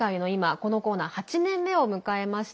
このコーナー８年目を迎えました。